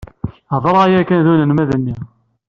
Hedreɣ yakan d unelmad-nni.